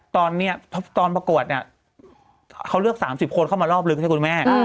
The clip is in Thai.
ตอนนี้ตอนประกวดเนี่ยเขาเลือก๓๐คนเข้ามารอบลึกใช่ไหมคุณแม่